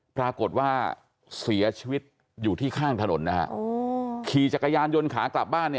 ปรากฏว่าเสียชีวิตอยู่ที่ข้างถนนนะฮะขี่จักรยานยนต์ขากลับบ้าน